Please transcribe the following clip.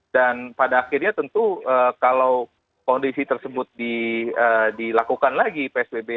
dan pada akhirnya tentu kalau kondisi tersebut dilakukan lagi psbb yang terdampak di negara negara yang terdampak di negara negara ini